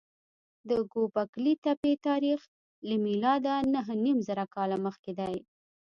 د ګوبک لي تپې تاریخ له میلاده نههنیمزره کاله مخکې دی.